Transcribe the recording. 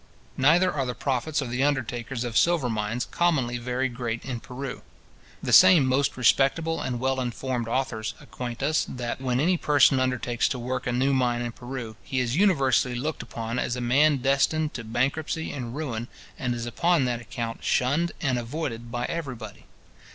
Neither are the profits of the undertakers of silver mines commonly very great in Peru. The same most respectable and well informed authors acquaint us, that when any person undertakes to work a new mine in Peru, he is universally looked upon as a man destined to bankruptcy and ruin, and is upon that account shunned and avoided by every body.